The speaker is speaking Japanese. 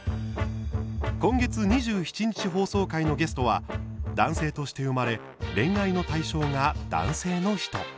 今月２７日放送回のゲストは男性として生まれ恋愛の対象が男性の人。